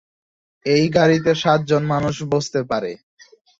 এই গাড়িতে সাতজন মানুষ বসতে পারে।